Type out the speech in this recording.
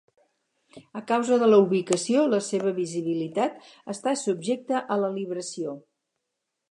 A causa de la ubicació, la seva visibilitat està subjecta a la libració.